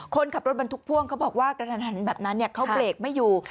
คนขับรถบรรทุกพ่วงเขาบอกว่ากระทันหันแบบนั้นเขาเบรกไม่อยู่